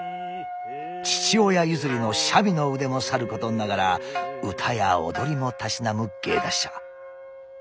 父親譲りの三味の腕もさることながら唄や踊りもたしなむ芸達者。